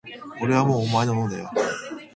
俺はもうお前のものだよ